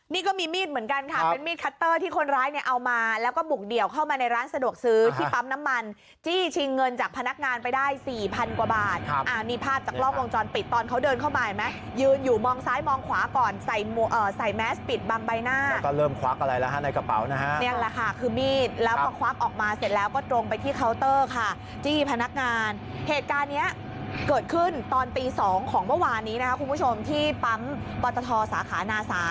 นี่ก็มีมีดเหมือนกันค่ะเป็นมีดคัตเตอร์ที่คนร้ายเนี่ยเอามาแล้วก็บุกเดี่ยวเข้ามาในร้านสะดวกซื้อที่ปั๊มน้ำมันจี้ชิงเงินจากพนักงานไปได้สี่พันกว่าบาทครับอ่ะมีภาพจากรอบวงจรปิดตอนเขาเดินเข้ามาเห็นไหมยืนอยู่มองซ้ายมองขวาก่อนใส่เอ่อใส่แมสปิดบำใบหน้าแล้วก็เริ่มควักอะไรละฮะในกระเป๋า